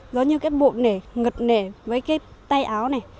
giống như cái bộ nể ngật nể với cái tay áo này